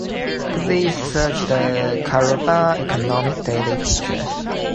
Please search the Karobar Economic Daily picture.